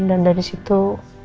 dan dari situ